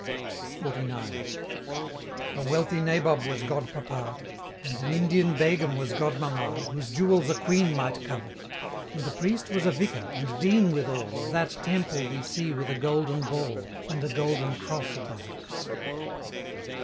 XLIX. A wealthy Nabob was Godpapa, And an Indian Begum was Godmamma, Whose jewels a Queen might covet And the Priest was a Vicar, and Dean withal Of that Temple we see with a Golden Ball, And a Golden Cross above it.